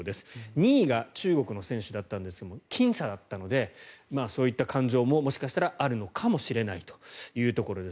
２位が中国の選手だったんですがきん差だったのでそういった感情ももしかしたらあるのかもしれないというところです。